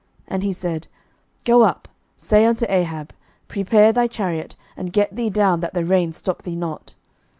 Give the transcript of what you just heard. And he said, Go up, say unto Ahab, Prepare thy chariot, and get thee down that the rain stop thee not.